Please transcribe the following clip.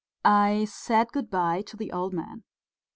I said good bye to the old man.